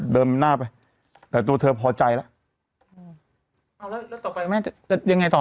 เดิมหน้าไปแต่ตัวเธอพอใจแล้วแล้วต่อไปแม่จะยังไงต่อ